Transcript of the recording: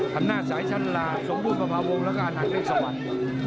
ทำหน้าสายชั้นล่าสมบูรณ์ประมาวงแล้วก็อาณาจริงสวรรค์